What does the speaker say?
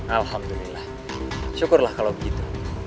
alhamdulillah syukurlah kalau begitu